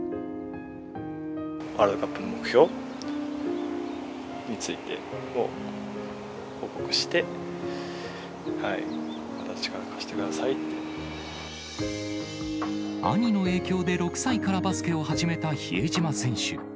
ワールドカップの目標についてを報告して、兄の影響で６歳からバスケを始めた比江島選手。